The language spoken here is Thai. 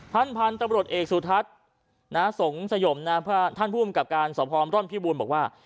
ท่านพันธ์ตรับบริโรทเอกสุทัศน์ส่งสยมท่านผู้อำกับการสอบพร้อมร่อนพี่บูลบอกว่า